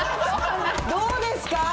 どうですか？